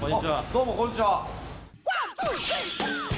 どうもこんにちは。